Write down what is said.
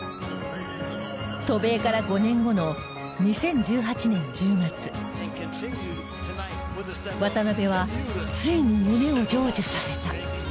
渡米から５年後の２０１８年１０月渡邊はついに夢を成就させた。